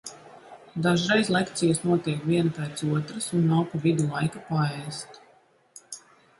Dažreiz lekcijas notiek viena pēc otras un nav pa vidu laika paēst.